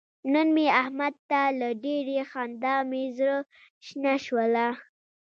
نن مې احمد ته له ډېرې خندا مې زره شنه شوله.